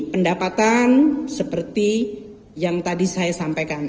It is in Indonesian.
pendapatan seperti yang tadi saya sampaikan